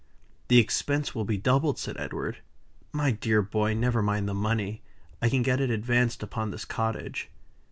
"The expense will be doubled," said Edward. "My dear boy! never mind the money. I can get it advanced upon this cottage."